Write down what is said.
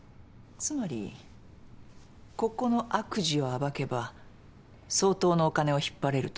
つまりここの悪事を暴けば相当なお金を引っ張れると？